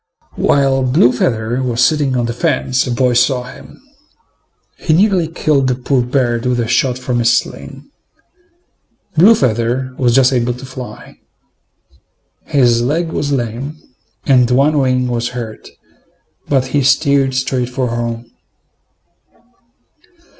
While Blue feather was sitting on the fence, a boy saw him. He nearly killed the poor bird with a shot from his sling. Blue feather was just able to fly. His leg was lame, and one wing was hurt, but he steered straight for home.